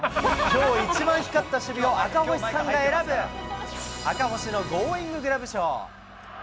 きょう一番光った守備を、赤星さんが選ぶ、赤星のゴーインググラブ賞。